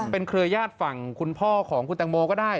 เป็นเครือญาติฝั่งคุณพ่อของคุณตังโมก็ได้